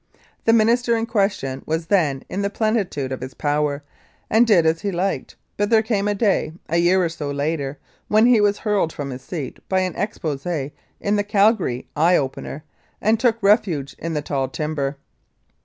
The Minister in question was then in the plenitude of his power, and did as he liked, but there came a day, a year or so later, when he was hurled from his seat by an expose" in the Calgary Eye Opener, and took refuge in "the tall timber."